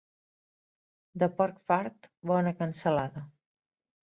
De porc fart, bona cansalada.